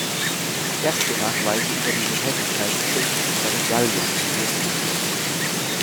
Erste Nachweise über diese Tätigkeiten finden sich bei den Galliern, die Wurst herstellten.